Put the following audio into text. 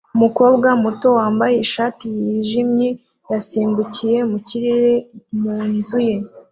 Umukobwa muto wambaye ishati yijimye yasimbukiye mu kirere mu nzu ye